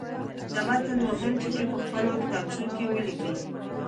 د متن مهم ټکي په خپلو کتابچو کې ولیکئ.